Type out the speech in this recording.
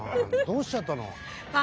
どうしちゃったの？